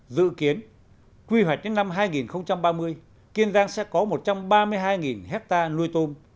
dự kiến quy hoạch đến năm hai nghìn ba mươi kiên giang sẽ có một trăm ba mươi hai hectare nuôi tôm